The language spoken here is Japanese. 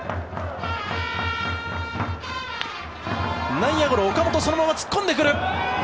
内野ゴロ岡本、そのまま突っ込んでくる。